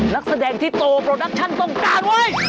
นักแสดงที่โตโปรดักชั่นต้องการเว้ย